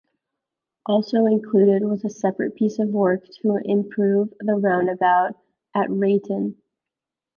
Also included was a separate piece of work to improve the roundabout at Reighton.